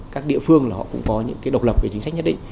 các địa phương là họ cũng có những cái độc lập về chính sách nhất định